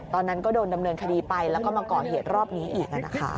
ตอนนั้นก็โดนดำเนินคดีไปแล้วก็มาก่อเหตุรอบนี้อีก